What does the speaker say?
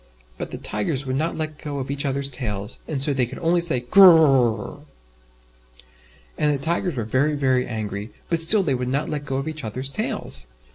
But the Tigers would not let go of each others' tails, and so they could only say "Gr r r rrrrrr!" And the Tigers were very, very angry, but still they would not let go of each others' tails.